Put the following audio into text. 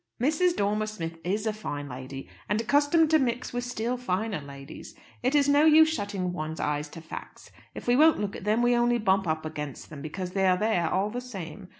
"Mrs. Dormer Smith is a fine lady, and accustomed to mix with still finer ladies. It's no use shutting one's eyes to facts. If we won't look at them, we only bump up against them, because they're there, all the same.